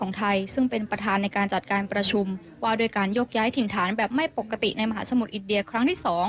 ไทยซึ่งเป็นประธานในการจัดการประชุมว่าด้วยการยกย้ายถิ่นฐานแบบไม่ปกติในมหาสมุทรอินเดียครั้งที่๒